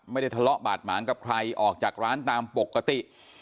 ไม่ได้ทะเลาะบาดหมางกับใครออกจากร้านตามปกติ